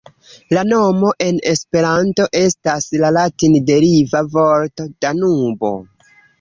La nomo en Esperanto estas la latin-deriva vorto "Danubo".